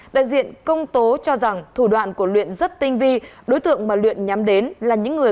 đại diện công tố cho rằng thủ đoạn của luyện rất tinh vi đối tượng mà luyện nhắm đến là những người